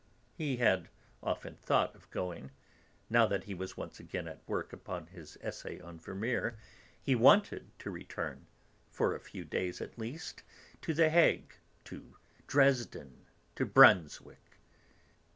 He had often thought of going. Now that he was once again at work upon his essay on Vermeer, he wanted to return, for a few days at least, to The Hague, to Dresden, to Brunswick.